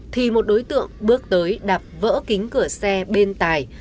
thì một đối tượng bước tới đạp vỡ kính cửa xe bên tài